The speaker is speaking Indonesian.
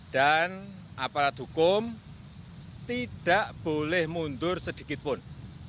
dan aparat hukum tidak boleh mundur sedikitpun